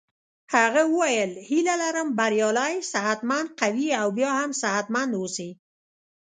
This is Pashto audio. هغه وویل هیله لرم بریالی صحت مند قوي او بیا هم صحت مند اوسې.